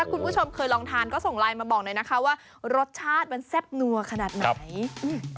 คุณผู้ชมเคยลองทานก็ส่งไลน์มาบอกหน่อยนะคะว่ารสชาติมันแซ่บนัวขนาดไหนอืม